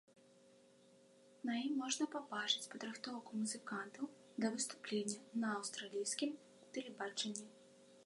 На ім можна пабачыць падрыхтоўку музыкантаў да выступлення на аўстралійскім тэлебачанні.